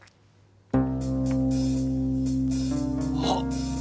あっ！？